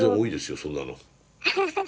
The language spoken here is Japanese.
そんなの。